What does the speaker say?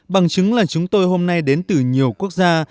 bằng chứng là chúng tôi hôm nay đến từ nhiều quốc gia